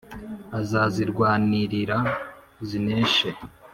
Azazirwanirira zineshe